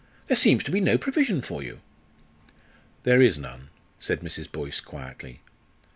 There seems to be no provision for you." "There is none," said Mrs. Boyce, quietly.